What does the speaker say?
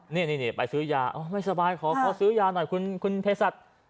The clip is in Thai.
นี่ไปซื้อยาไม่สบายขอซื้อยาหน่อยคุณเพศัตริย์